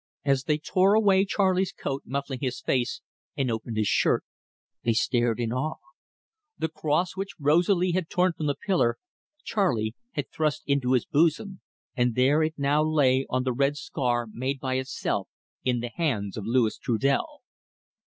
As they tore away Charley's coat muffling his face, and opened his shirt, they stared in awe. The cross which Rosalie had torn from the pillar, Charley had thrust into his bosom, and there it now lay on the red scar made by itself in the hands of Louis Trudel.